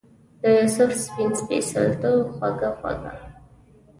دیوسف سپین سپیڅلتوبه خوږه خوږه